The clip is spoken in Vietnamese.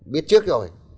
biết trước rồi